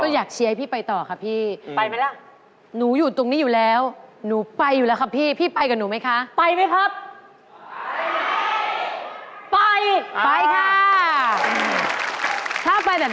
ผมอยากเห็นเอเทยาดีใจแบบหลังคากะเพื่อมันอย่างไรครับ